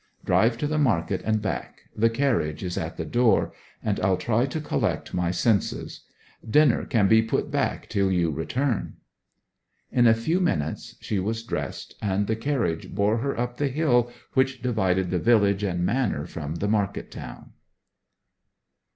Drive to the market and back the carriage is at the door and I'll try to collect my senses. Dinner can be put back till you return.' In a few minutes she was dressed, and the carriage bore her up the hill which divided the village and manor from the market town.